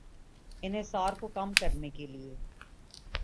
انحصار کو کم کرنے کے لیے